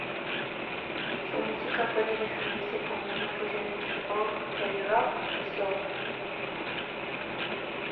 Su música puede definirse como una fusión entre funk, heavy rock y soul.